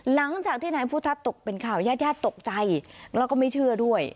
หลังจากที่นายพุทธัศนตกเป็นข่าวญาติญาติตกใจแล้วก็ไม่เชื่อด้วย